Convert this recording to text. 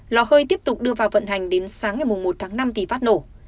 lò hơi tiếp tục đưa vào vận hành đến sáng ngày một tháng năm thì phát nổ